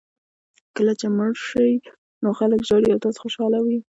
کله چې مړ شئ نور خلک ژاړي او تاسو خوشاله وئ.